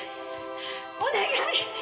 お願い！